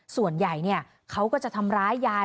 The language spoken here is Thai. ส่วนใหญ่เขาก็จะทำร้ายยาย